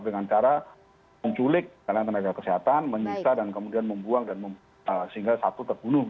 dengan cara menculik tenaga kesehatan menyisa dan kemudian membuang dan sehingga satu terbunuh